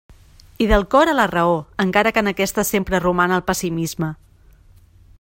I del cor a la raó, encara que en aquesta sempre roman el pessimisme.